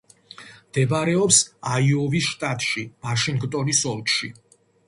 მდებარეობს აიოვის შტატში, ვაშინგტონის ოლქში.